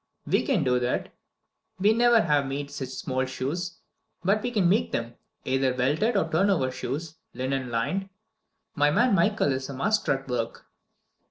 "We can do that. We never have made such small shoes, but we can make them; either welted or turnover shoes, linen lined. My man, Michael, is a master at the work."